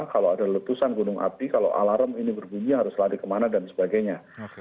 kalau ada letusan gunung api kalau alarm ini berbunyi harus lari kemana dan sebagainya